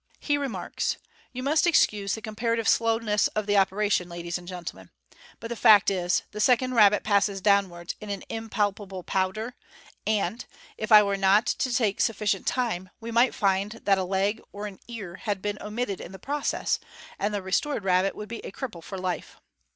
He remarks, •' You must excuse the comparative slowness of the operation, ladies and pentlemen, but the fact is, the second rabbit passes downwards MODERN MAGIC. #53 in an impalpable powder, and, if I were not to take sufficient time, we might find that a leg or an ear had been omitted in the process, and the restored rabbit would be a cripple for life.